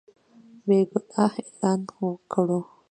بېګناه اعلان کړو.